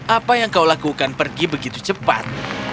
apa yang kau lakukan pergi begitu cepat